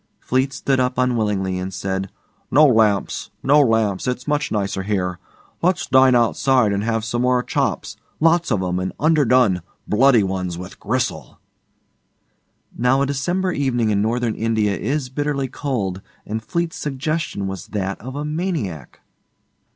Fleete stood up unwillingly, and said, 'No lamps no lamps. It's much nicer here. Let's dine outside and have some more chops lots of 'em and underdone bloody ones with gristle.' Now a December evening in Northern India is bitterly cold, and Fleete's suggestion was that of a maniac.